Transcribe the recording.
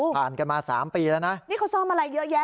ผ่านกันมา๓ปีแล้วนะอื้อวนี่เค้าซ่อมอะไรเยอะแยะ